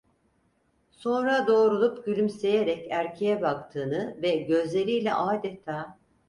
Sonra doğrulup gülümseyerek erkeğe baktığını ve gözleriyle adeta…